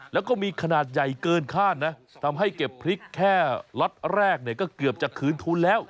แล้วก็มีขนาดใหญ่เกินคาดนะทำให้เก็บพริกแค่ล็อตแรกเนี่ยก็เกือบจะคืนทุนแล้ว